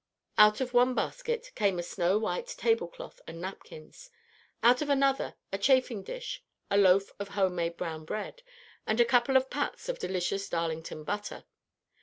Out of one basket came a snow white table cloth and napkins; out of another, a chafing dish, a loaf of home made brown bread, and a couple of pats of delicious Darlington butter.